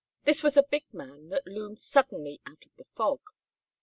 This was a big man that loomed suddenly out of the fog.